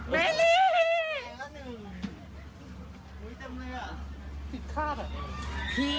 แม่ลี่